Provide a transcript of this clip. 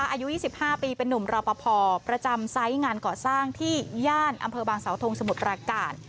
อายุ๒๕ปีเป็นนุ่มรอปภประจำไซส์งานก่อสร้างที่ย่านอำเภอบางสาวทงสมุทรปราการ